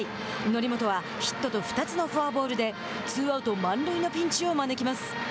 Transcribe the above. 則本はヒットと２つのフォアボールでツーアウト、満塁のピンチを招きます。